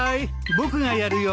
僕がやるよ。